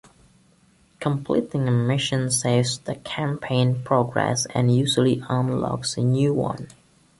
Completing a mission saves the campaign progress and usually unlocks a new one.